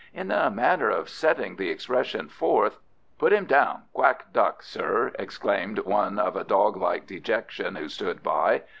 "In a manner of setting the expression forth " "Put him down, 'Quack Duck,' sir," exclaimed one of dog like dejection who stood by.